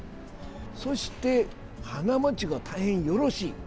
そして、花もちが大変よろしい。